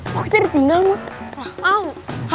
kok kita ditinggal